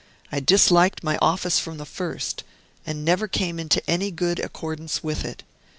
I disliked my office from the first, and never came into any good accordance with it.